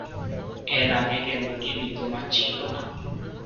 এর আগে কেন্দ্রটি বিদ্যমান ছিল না।